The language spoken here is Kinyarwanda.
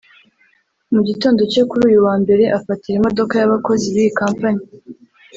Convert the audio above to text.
mu gitondo cyo kuri uyu wa mbere afatira imodoka y’abakozi b’iyi kompanyi